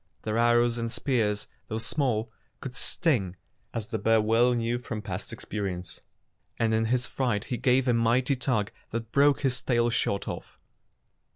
Their arrows and spears, though small, could sting, as the bear well knew from past experience, and in his fright he gave a mighty tug that broke his tail short off.